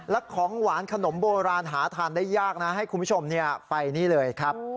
และของหวานขนมโบราณหาทานได้ยากนะให้คุณผู้ชมไปนี่เลยครับ